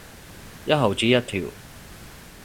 一毫子一條